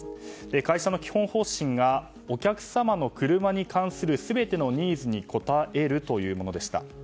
会社の基本方針がお客様の車に関する全てのニーズに応えるというものでした。